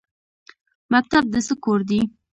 مکتب د څه کور دی؟